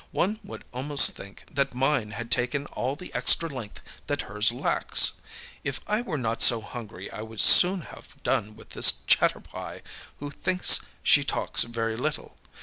âOne would almost think that mine had taken all the extra length that hers lacks! If I were not so hungry I would soon have done with this chatterpie who thinks she talks very little!